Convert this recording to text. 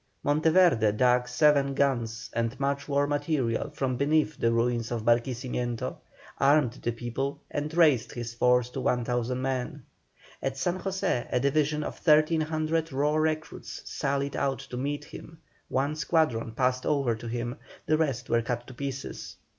Monteverde dug seven guns and much war material from beneath the ruins of Barquisimeto, armed the people, and raised his force to 1,000 men. At San José a division of 1,300 raw recruits sallied out to meet him; one squadron passed over to him, the rest were cut to pieces.